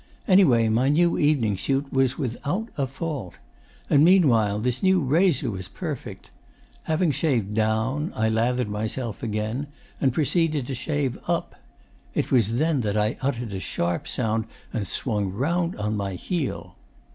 Anyway, my new evening suit was without a fault. And meanwhile this new razor was perfect. Having shaved "down," I lathered myself again and proceeded to shave "up." It was then that I uttered a sharp sound and swung round on my heel.